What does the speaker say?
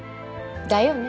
だよね？